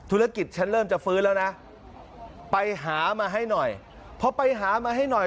ธุรกิจฉันเริ่มจะฟื้นแล้วนะไปหามาให้หน่อยพอไปหามาให้หน่อย